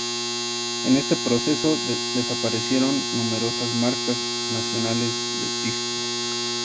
En este proceso, desaparecieron numerosas marcas nacionales de pisco.